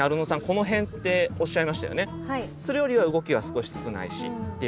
この辺っておっしゃいましたよね。